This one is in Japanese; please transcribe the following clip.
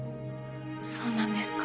そうなんですか。